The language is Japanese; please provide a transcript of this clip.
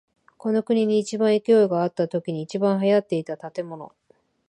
この国に一番勢いがあったときに一番流行っていた建物。